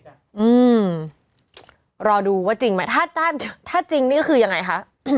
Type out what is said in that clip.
อืมรอดูว่าจริงไหมถ้าถ้าจริงนี่ก็คือยังไงคะ